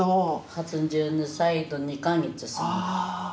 ８２歳と２か月過ぎた。